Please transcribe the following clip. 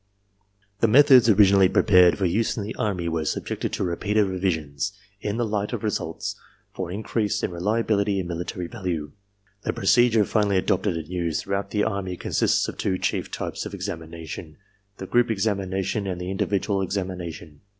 The methods originally prepared for use in the Army were subjected to repeated revisions, in the light of results, for in crease in reliability and military value. The procedure finally adopted and used throughout the Army consists of two chief types of examination: the group examination and the individual examination.